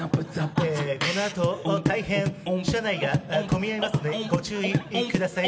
このあと、大変、車内が混み合いますのでご注意ください。